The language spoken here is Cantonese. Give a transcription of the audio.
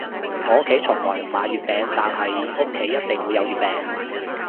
我屋企從來唔買月餅，但係屋企一定會有月餅